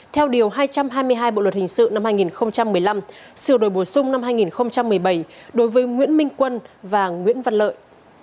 theo điều hai trăm hai mươi hai bộ luật hình sự năm hai nghìn một mươi năm sửa đổi bổ sung năm hai nghìn một mươi bảy đối với nguyễn minh quân và nguyễn văn lợi